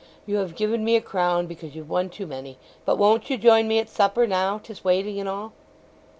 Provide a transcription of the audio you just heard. "You have given me a crown because you've one too many. But won't you join me at supper, now 'tis waiting and all?"